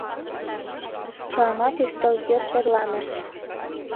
Чыланат ӱстел йыр верланышт.